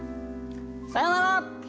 さようなら。